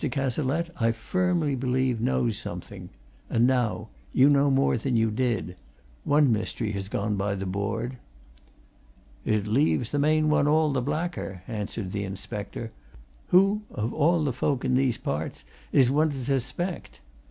Cazalette, I firmly believe, knows something. And now you know more than you did. One mystery has gone by the board." "It leaves the main one all the blacker," answered the inspector. "Who, of all the folk in these parts, is one to suspect?